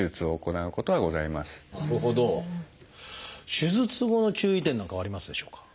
手術後の注意点なんかはありますでしょうか？